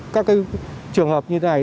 các trường hợp như thế này